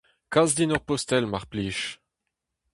Kas din ur postel, mar plij !